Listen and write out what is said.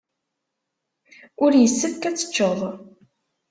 Ur yessefk ad tecced.